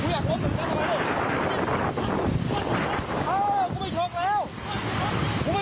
อย่าคุ้งอย่าคุ้ง